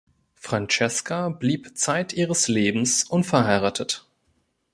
Francesca blieb zeit ihres Lebens unverheiratet.